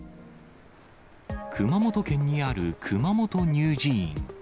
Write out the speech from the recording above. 熊本県にある熊本乳児院。